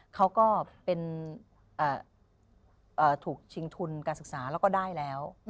เขาก็เป็นถูกชิงทุนการศึกษาแล้วก็ได้แล้ว